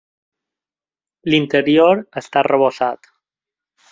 L'interior està arrebossat.